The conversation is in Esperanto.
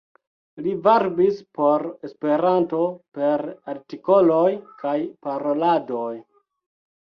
Li varbis por Esperanto per artikoloj kaj paroladoj.